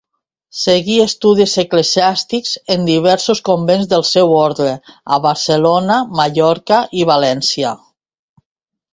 Seguí estudis eclesiàstics en diversos convents del seu orde a Barcelona, Mallorca i València.